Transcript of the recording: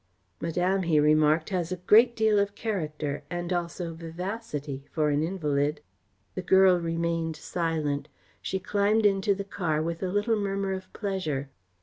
"Madame," he remarked, "has a great deal of character, and also vivacity, for an invalid." The girl remained silent. She climbed into the car with a little murmur of pleasure.